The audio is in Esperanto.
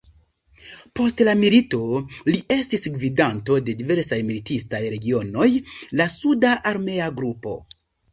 Post la milito li estis gvidanto de diversaj militistaj regionoj, la suda armea grupo.